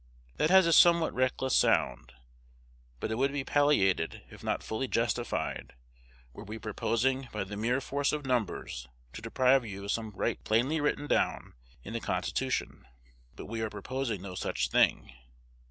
That has a somewhat reckless sound; but it would be palliated, if not fully justified, were we proposing by the mere force of numbers to deprive you of some right plainly written down in the Constitution. But we are proposing no such thing.